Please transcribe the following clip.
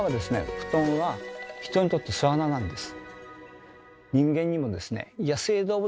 布団は人にとって巣穴なんです。